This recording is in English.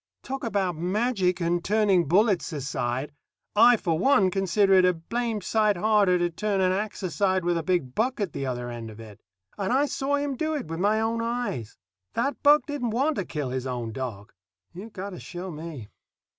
Talk about magic and turning bullets aside I, for one, consider it a blamed sight harder to turn an ax aside with a big buck at the other end of it. And I saw him do it with my own eyes. That buck didn't want to kill his own dog. You've got to show me.